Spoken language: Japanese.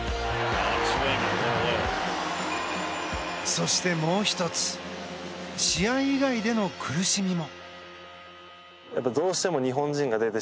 そして、もう１つ試合以外での苦しみも。